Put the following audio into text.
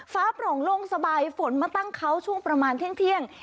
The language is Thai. ฟ้าปร่องลงสบายฝนมาตั้งเขาช่วงประมาณเที่ยงเที่ยง